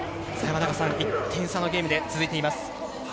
さあ、１点差のゲームで続いています。